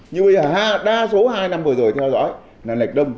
như bây giờ đa số hai năm vừa rồi theo dõi là lệch đông